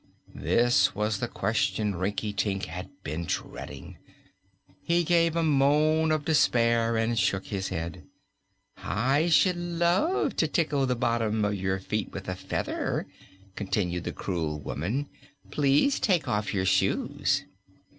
This was the question Rinkitink had been dreading. He gave a moan of despair and shook his head. "I should love to tickle the bottom of your feet with a feather," continued the cruel woman. "Please take off your shoes."